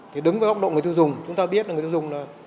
thì đứng với góc độ người tiêu dùng chúng ta biết là người tiêu dùng là